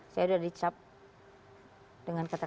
saya sudah dicap dengan kata